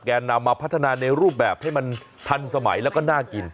นำมาพัฒนาในรูปแบบให้มันทันสมัยแล้วก็น่ากิน